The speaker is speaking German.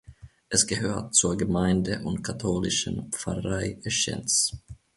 Es gehört zur Gemeinde und katholischen Pfarrei Eschenz.